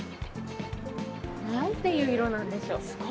なんていう色なんでしょう。